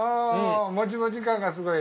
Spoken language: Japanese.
もちもち感がすごい。